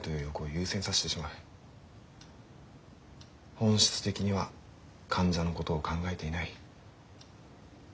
本質的には患者のことを考えていない。